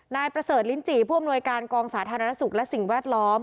นายประเสริฐลิ้นจี่ผู้อำนวยการกองสาธารณสุขและสิ่งแวดล้อม